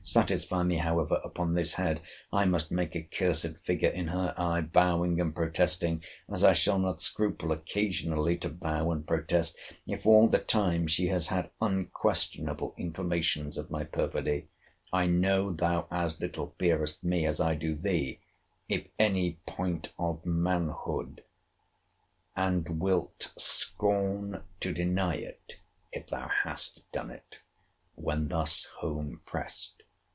Satisfy me, however, upon this head. I must make a cursed figure in her eye, vowing and protesting, as I shall not scruple occasionally to vow and protest, if all the time she has had unquestionable informations of my perfidy. I know thou as little fearest me, as I do thee, if any point of manhood; and wilt scorn to deny it, if thou hast done it, when thus home pressed.